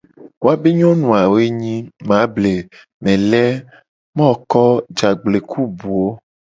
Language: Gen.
Woabe nyonu awo a wo ye nyi : mable, mele, moko, jagble, ku buwo.